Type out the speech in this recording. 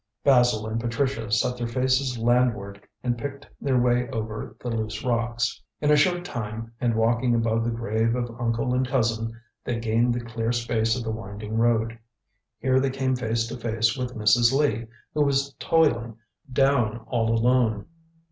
Basil and Patricia set their faces landward and picked their way over the loose rocks. In a short time, and walking above the grave of uncle and cousin, they gained the clear space of the winding road. Here they came face to face with Mrs. Lee, who was toiling down all alone.